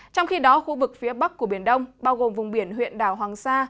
trong khi đó khu vực phía bắc của biển đông bao gồm vùng biển huyện đảo hoàng sa